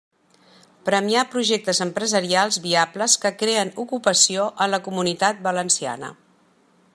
Premiar projectes empresarials viables que creen ocupació en la Comunitat Valenciana.